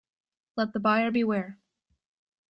Let the buyer beware.